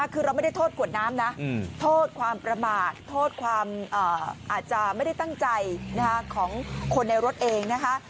คือเราไม่ได้โทษกวดน้ำนะโทษความประมาทโทษความอาจจะไม่ได้ตั้งใจของคนในรถเองนะคะ